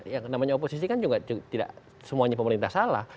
yang namanya oposisi kan juga tidak semuanya pemerintah salah